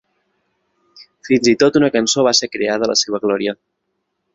Fins i tot una cançó va ser creada a la seva glòria.